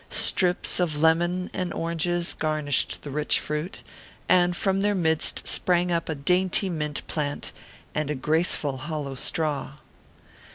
Strips of lemon and oranges garnished the rich fruit, and from their midst sprang up a dainty mint plant, and a graceful hollow straw.